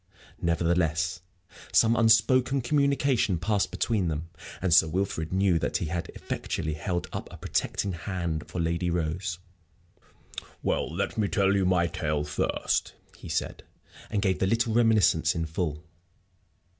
Nevertheless, some unspoken communication passed between them, and Sir Wilfrid knew that he had effectually held up a protecting hand for Lady Rose. "Well, let me tell you my tale first," he said; and gave the little reminiscence in full.